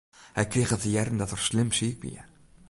Hy krige te hearren dat er slim siik wie.